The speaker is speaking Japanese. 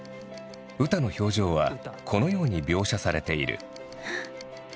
ウタの表情はこのように描写されている。